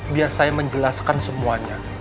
biar saya menjelaskan semuanya